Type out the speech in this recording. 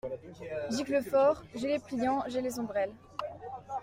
Giclefort. — J’ai les pliants, j’ai les ombrelles.